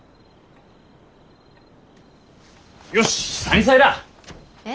よし！